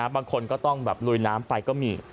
บางคนก็ต้องแบบลุยน้ำไปก็มี